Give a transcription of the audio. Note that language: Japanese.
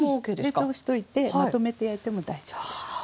冷凍しておいてまとめて焼いても大丈夫です。